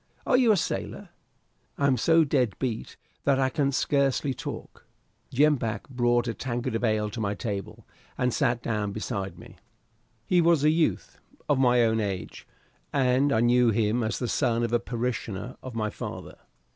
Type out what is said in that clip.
Are you a sailor? I am so dead beat that I can scarcely talk." Jem Back brought a tankard of ale to my table, and sat down beside me. He was a youth of my own age, and I knew him as the son of a parishioner of my father.